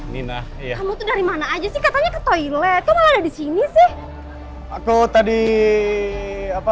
nina kamu tuh dari mana aja sih katanya ke toilet kamu malah ada di sini sih aku tadi apa